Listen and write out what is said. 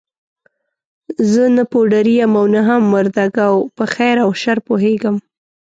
زه نه پوډري یم او نه هم مرده ګو، په خیر او شر پوهېږم.